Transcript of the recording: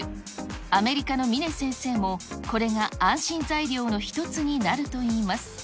アメリカの峰先生も、これが安心材料の一つになるといいます。